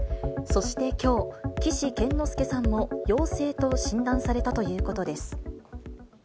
そしてきょう、岸健之助さんも陽性と診断されたということです。